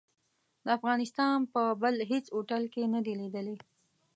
د افغانستان په بل هيڅ هوټل کې نه دي ليدلي.